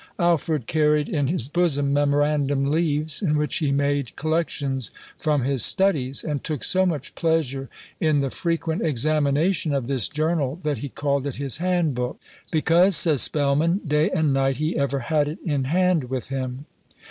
Alfred carried in his bosom memorandum leaves, in which he made collections from his studies, and took so much pleasure in the frequent examination of this journal, that he called it his hand book, because, says Spelman, day and night he ever had it in hand with him.